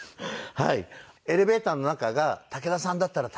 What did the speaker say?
はい。